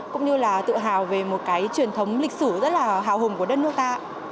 cũng như là tự hào về một cái truyền thống lịch sử rất là hào hùng của đất nước ta